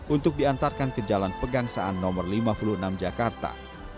untuk diantarkan ke jalan pegangsaan no lima puluh enam jakarta